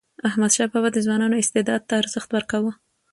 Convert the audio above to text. احمدشاه بابا د ځوانانو استعداد ته ارزښت ورکاوه.